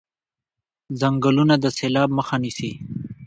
ځنګلونه د سیلاب مخه نیسي.